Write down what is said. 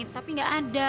tapi gak ada